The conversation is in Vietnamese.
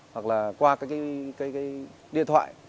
hoặc là qua cái điện thoại